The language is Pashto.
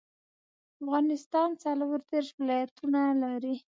افغانستان څلور ديرش ولايتونه لري